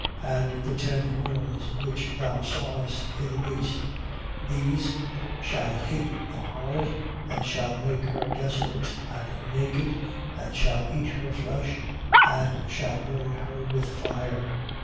17:16. And the ten horns which thou sawest in the beast: These shall hate the harlot and shall make her desolate and naked and shall eat her flesh and shall burn her with fire.